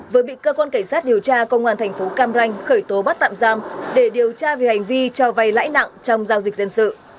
vừa bị cơ quan cảnh sát điều tra công an thành phố cam ranh khởi tố bắt tạm giam để điều tra về hành vi cho vay lãi nặng trong giao dịch dân sự